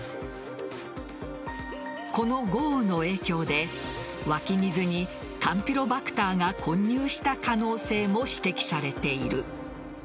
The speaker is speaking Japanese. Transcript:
この豪雨の影響で湧き水にカンピロバクターが混入した可能性も指摘されている。